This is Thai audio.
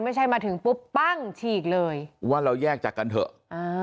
ไม่ใช่มาถึงปุ๊บปั้งฉีกเลยว่าเราแยกจากกันเถอะอ่า